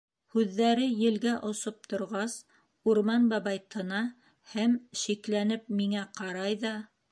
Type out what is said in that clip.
Һүҙҙәре елгә осоп торғас, Урман бабай тына һәм, шикләнеп, миңә ҡарай ҙа: